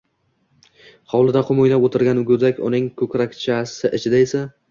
Hovlida qum o‘ynab o‘tirgan go‘dak, uning ko‘krakchasi ichida esa...